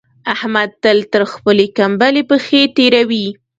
احمد تل تر خپلې کمبلې پښې تېروي.